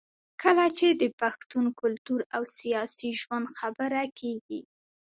کله چې د پښتون کلتور او سياسي ژوند خبره کېږي